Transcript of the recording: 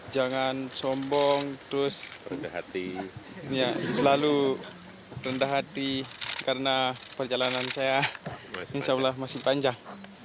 jangan sombong terus rendah hati selalu rendah hati karena perjalanan saya insya allah masih panjang